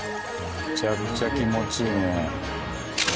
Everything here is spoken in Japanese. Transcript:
めちゃくちゃ気持ちいいね。